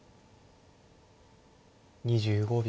２５秒。